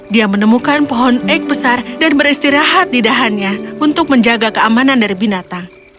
dia menemukan pohon eik besar dan beristirahat di dahannya untuk menjaga keamanan dari binatang